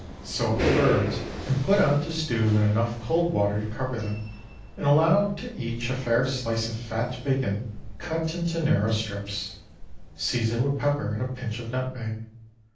Sew up the birds, and put on to stew in enough cold water to cover them, and allow to each a fair slice of fat bacon cut into narrow strips. Season with pepper and a pinch of nutmeg.